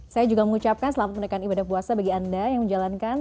saya juga mengucapkan selamat menekan ibadah puasa bagi anda yang menjalankan